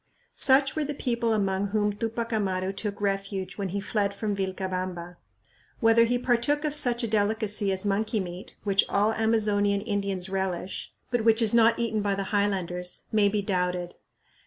Such were the people among whom Tupac Amaru took refuge when he fled from Vilcabamba. Whether he partook of such a delicacy as monkey meat, which all Amazonian Indians relish, but which is not eaten by the highlanders, may be doubted.